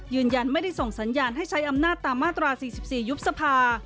ยืนยันไม่ได้ส่งสัญญาณให้ใช้อำนาจตามมาตรา๔๔ยุบสภา